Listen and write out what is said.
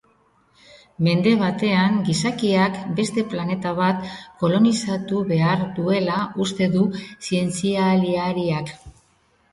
Mende batean gizakiak beste planeta bat kolonizatu behar duela uste du zientzialariak.